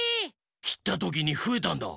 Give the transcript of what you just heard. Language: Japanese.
きったときにふえたんだ。